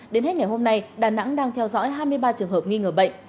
đến hết ngày hôm nay đà nẵng đang theo dõi hai mươi ba trường hợp nghi ngờ bệnh